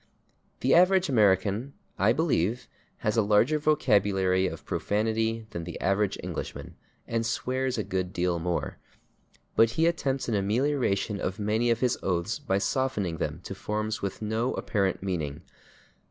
The average American, I believe, has a larger vocabulary of profanity than the average Englishman, and swears a good deal more, but he attempts an amelioration of many of his oaths by softening them to forms with no apparent meaning.